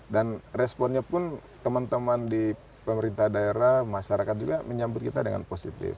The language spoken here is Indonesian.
dan responnya pun teman teman di pemerintah daerah masyarakat juga menyambut kita dengan positif